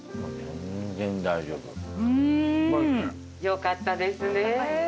よかったですね。